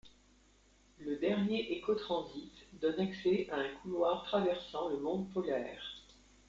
Le dernier écotransit donne accès à un couloir traversant le Monde polaire.